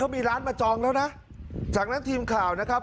มีร้านมาจองแล้วนะจากนั้นทีมข่าวนะครับ